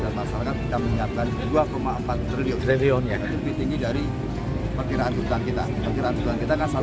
dan masyarakat kita menyiapkan dua empat triliun yang lebih tinggi dari perkiraan tukang kita